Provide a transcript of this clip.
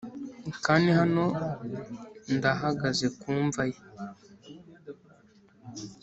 kandi hano ndahagaze 'ku mva ye